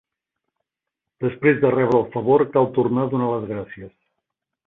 Després de rebre el favor cal tornar a donar les gràcies.